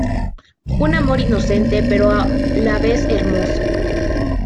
Un amor inocente pero a la vez hermoso.